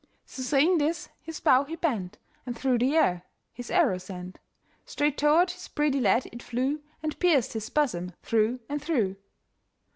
So, saying this, his bow he bent, And through the air his arrow sent; Straight toward this pretty lad it flew, And pierced his bosom through and through.